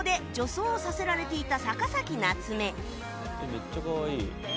めっちゃかわいい。